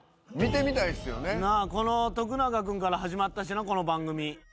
この徳永君から始まったしなこの番組。